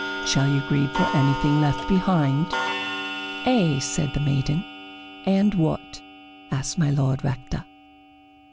"Shall you grieve for anything left behind?" "Ay," said the maiden. "And what?" asked My Lord Rector.